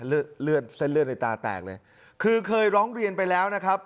เลือดเลือดเส้นเลือดในตาแตกเลยคือเคยร้องเรียนไปแล้วนะครับ